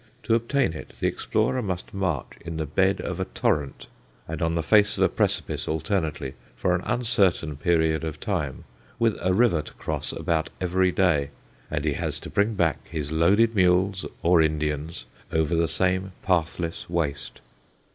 To obtain it the explorer must march in the bed of a torrent and on the face of a precipice alternately for an uncertain period of time, with a river to cross about every day. And he has to bring back his loaded mules, or Indians, over the same pathless waste.